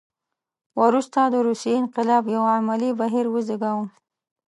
وروسته د روسیې انقلاب یو عملي بهیر وزېږاوه.